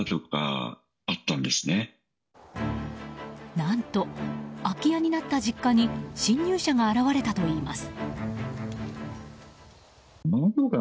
何と、空き家になった実家に侵入者が現れたといいます。